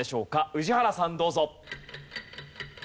宇治原さんどうぞ。